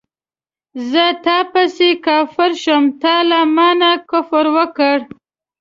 زه تا پسې کافر شوم تا له مانه کفر وکړ